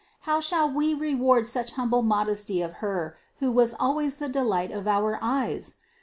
How shall We reward such humble modesty of her, who was always the delight of our eyes?